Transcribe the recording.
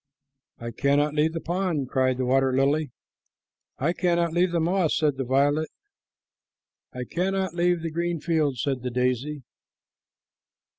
"I cannot leave the pond," cried the water lily. "I cannot leave the moss," said the violet. "I cannot leave the green fields," said the daisy.